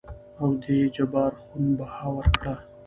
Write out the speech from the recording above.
او دې جبار خون بها ورکړه.